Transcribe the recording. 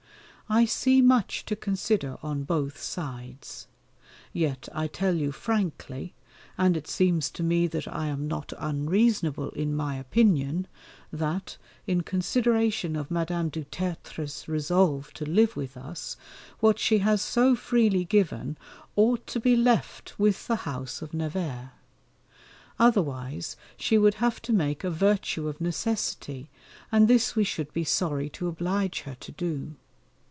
I see much to consider on both sides. Yet I tell you frankly, and it seems to me that I am not unreasonable in my opinion, that, in consideration of Madame du Tertre's resolve to live with us, what she has so freely given ought to be left with the house of Nevers: otherwise she would have to make a virtue of necessity, and this we should be sorry to oblige her to do.